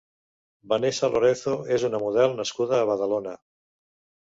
Vanessa Lorenzo és una model nascuda a Badalona.